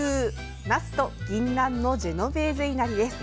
「なすとぎんなんのジェノベーゼいなり」です。